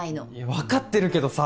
分かってるけどさ。